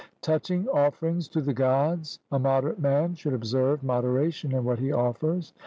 Touching offerings to the Gods, a moderate man should observe moderation in what he offers.